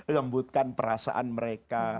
lembutkan perasaan mereka